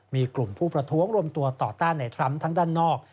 มีกลุ่มผู้ประท้วงรวมตัวต่อต้านในทรัมป์ทั้งด้านนอก